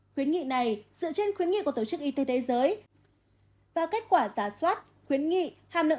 khuyến nghị này dựa trên khuyến nghị của tổ chức y tế thế giới và kết quả giả soát khuyến nghị hàm lượng